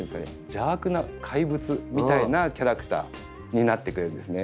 邪悪な怪物みたいなキャラクターになってくれるんですね。